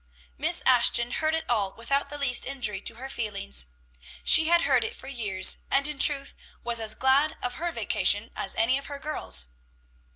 Miss Ashton heard it all without the least injury to her feelings. She had heard it for years, and, in truth, was as glad of her vacation as any of her girls.